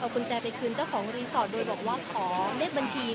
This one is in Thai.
กุญแจไปคืนเจ้าของรีสอร์ทโดยบอกว่าขอเลขบัญชี